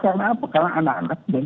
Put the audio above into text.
karena anak anak banyak yang belum vaksin